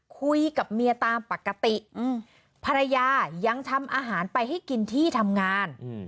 คุยกับเมียตามปกติภรรยายังทำอาหารไปให้กินที่ทำงาน